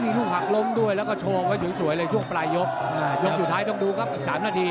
มีลูกหักล้มด้วยแล้วก็โชว์ไว้สวยเลยช่วงปลายยกยกสุดท้ายต้องดูครับอีกสามนาที